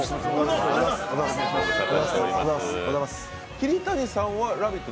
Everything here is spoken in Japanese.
桐谷さんは「ラヴィット！」